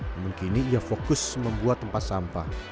namun kini ia fokus membuat tempat sampah